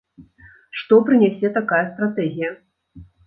Што прынясе такая стратэгія?